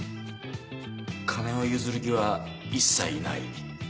「金を譲る気は一切ない」。